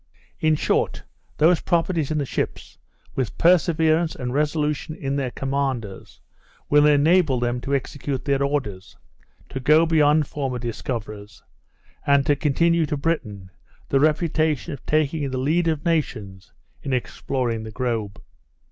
In short, these properties in the ships, with perseverance and resolution in their commanders, will enable them to execute their orders; to go beyond former discoverers; and continue to Britain the reputation of taking the lead of nations, in exploring the globe.